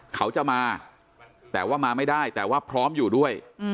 เขาจะมาแต่ว่ามาไม่ได้แต่ว่าพร้อมอยู่ด้วย